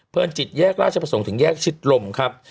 จิตแยกราชประสงค์ถึงแยกชิดลมครับ